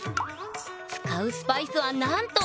使うスパイスはなんと！